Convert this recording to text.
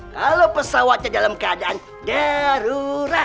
kalau pesawatnya dalam keadaan darurat